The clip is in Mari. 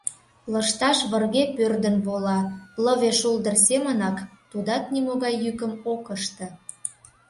Лышташ вырге пӧрдын вола, лыве шулдыр семынак, тудат нимогай йӱкым ок ыште.